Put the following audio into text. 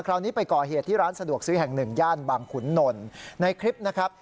คราวนี้ไปก่อเหตุที่ร้านสะดวกซื้อแห่งหนึ่งย่านบางขุนนลในคลิปนะครับ